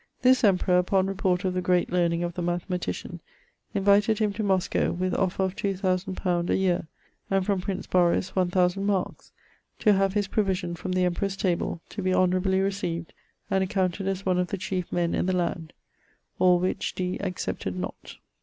This emperour, upon report of the great learning the mathematician, invited him to Mosco, with offer of two thousand pound a yeare, and from Prince Boris one thousand markes; to have his provision from the emperor's table, to be honourably recieved, and accounted as one of the chief men in the land. All which Dee accepted not.'